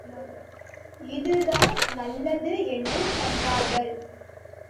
இதுதான் நல்லது —என்று சொன்னார்கள்.